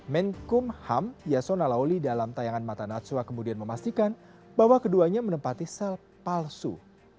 menkumham yasona lauli dalam tayangan mata natsua kemudian memastikan bahwa keduanya menempati sel palsu